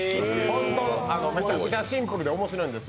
めちゃくちゃシンプルでおもしろいんです